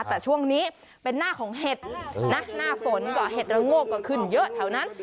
แต่ช่วงนี้เป็นหน้าของเห็ดนะหน้าฝนก็เห็ดระโงกก็ขึ้นเยอะแถวนั้น